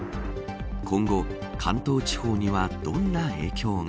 今後、関東地方にはどんな影響が。